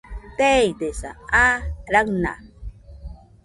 Teidesa, aa raɨna